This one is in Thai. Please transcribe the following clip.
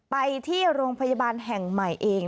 ไปที่โรงพยาบาลแห่งใหม่เอง